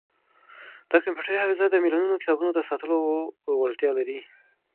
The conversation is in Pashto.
دا کمپیوټري حافظه د ملیونونو کتابونو د ساتلو وړتیا لري.